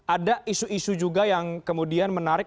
ada isu isu juga yang kemudian menarik